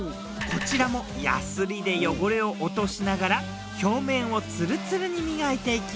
こちらもヤスリで汚れを落としながら表面をツルツルに磨いていきます。